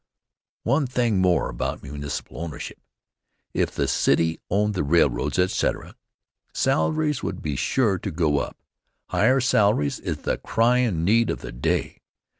One thing more about municipal ownership. If the city owned the railroads, etc., salaries would be sure to go up. Higher salaries is the cryin' need of the day.